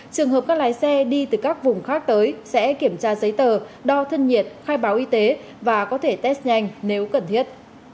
trường hợp các lái xe đi từ các vùng khác tới sẽ kiểm tra giấy tờ đo thân nhiệt khai báo y tế và có thể test nhanh nếu cần thiết